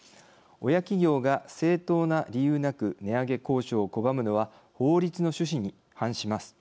親企業が正当な理由なく値上げ交渉を拒むのは法律の趣旨に反します。